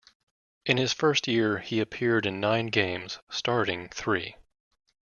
In his first year, he appeared in nine games, starting three.